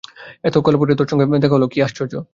এতকাল পরে তোর সঙ্গে দেখা হল কী আশ্চর্য!